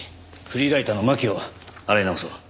フリーライターの巻を洗い直そう。